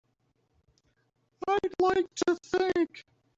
I'd like to think.